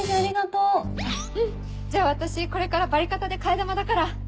うんじゃあ私これからバリカタで替え玉だから。